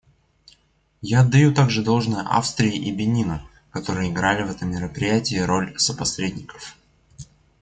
Я отдаю также должное Австрии и Бенину, которые играли в этом мероприятии роль сопосредников.